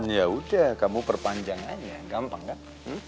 ya udah kamu perpanjang aja gampang kan